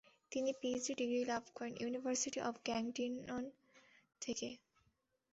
তিনি PhD degree লাভ করেন ইউনিভার্সিটি অফ গ্যটিঙেন থেকে।